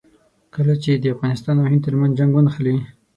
کله چې د افغانستان او هند ترمنځ جنګ ونښلي.